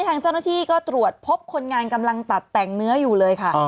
ทางเจ้าหน้าที่ก็ตรวจพบคนงานกำลังตัดแต่งเนื้ออยู่เลยค่ะ